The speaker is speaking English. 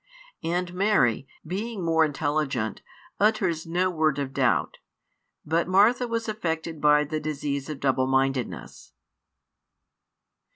And Mary, being more intelligent, utters no word of doubt; but Martha was affected by the disease of double mindedness.